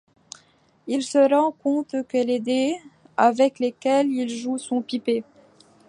Il se rend compte que les dés avec lesquels il joue sont pipés.